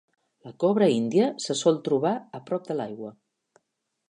La cobra índia se sol trobar a prop de l'aigua.